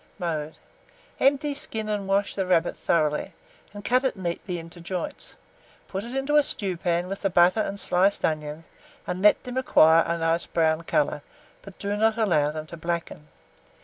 Mode. Empty, skin, and wash the rabbit thoroughly, and cut it neatly into joints. Put it into a stewpan with the butter and sliced onions, and let them acquire a nice brown colour, but do not allow them to blacken.